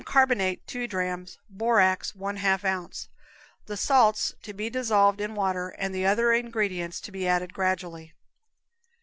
carbonate, 2 drams; borax, 1/2 ounce; the salts to be dissolved in water and the other ingredients to be added gradually.